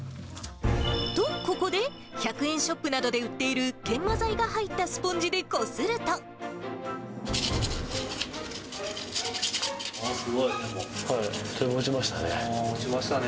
と、ここで１００円ショップなどで売っている研磨剤が入ったスポンジあっ、すごい。落ちましたね。